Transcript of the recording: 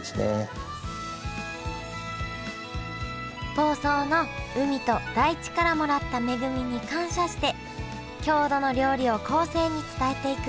房総の海と大地からもらった恵みに感謝して郷土の料理を後世に伝えていく。